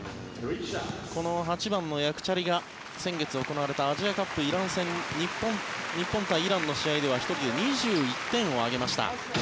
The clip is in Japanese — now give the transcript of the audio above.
この８番のヤクチャリが先月行われたアジアカップイラン戦日本対イランの試合では２１点を挙げました。